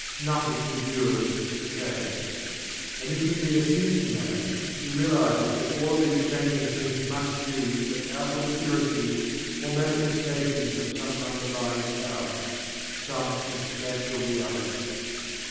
Nothing endures but Change. And if he be a thinking man, he realizes that all of these changing things must be but outward appearances or manifestations of some Underlying Power some Substantial Reality.